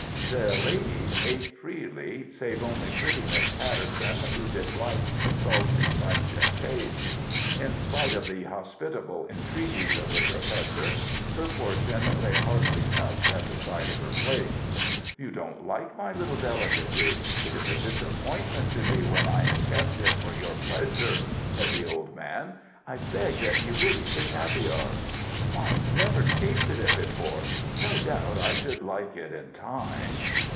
The ladies ate freely, save only pretty Miss Patterson, who disliked the salty, pungent taste. In spite of the hospitable entreaties of the Professor, her portion lay hardly touched at the side of her plate. "You don't like my little delicacy. It is a disappointment to me when I had kept it for your pleasure," said the old man. "I beg that you will eat the caviare." "I have never tasted it before. No doubt I should like it in time."